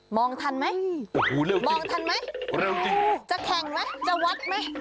มองทันไหมมองทันไหมจะแข่งไหมจะวัดไหม